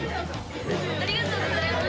ありがとうございます。